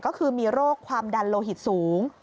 ก็คือมีโรคความดันโลหิตสูง